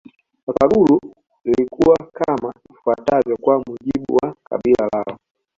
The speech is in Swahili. Wakaguru lilikuwa kama ifuatavyo kwa mujibu wa kabila lao